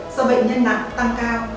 do bệnh nhân nặng tăng cao